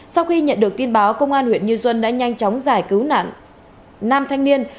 sau khi nhận được tin báo công an huyện như xuân đã nhanh chóng giải cứu nạn nam thanh niên